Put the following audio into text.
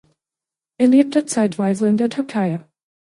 Er lebte zeitweise in der Türkei.